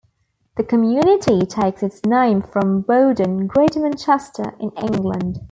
The community takes its name from Bowdon, Greater Manchester, in England.